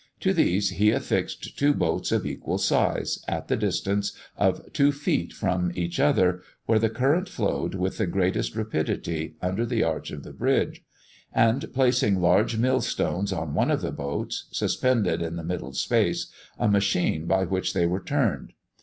To these he affixed two boats of equal size, at the distance of two feet from each other, where the current flowed with the greatest rapidity, under the arch of the bridge; and, placing large millstones on one of the boats, suspended in the middle space a machine by which they were turned.